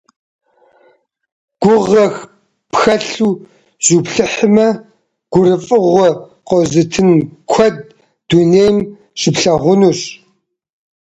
Гугъэ пхэлъу зуплъыхьмэ, гурыфӏыгъуэ къозытын куэд дунейм щыплъэгъунущ.